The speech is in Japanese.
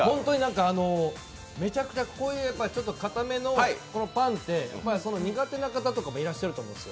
めちゃくちゃ硬めのパンって苦手な方とかもいらっしゃると思うんです。